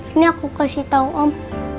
ini aku kasih tau om